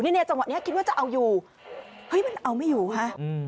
เนี่ยจังหวะนี้คิดว่าจะเอาอยู่เฮ้ยมันเอาไม่อยู่ค่ะ